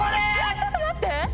ちょっと待って！